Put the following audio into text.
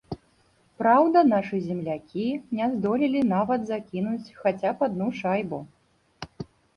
Праўда, нашы землякі не здолелі нават закінуць хаця б адну шайбу.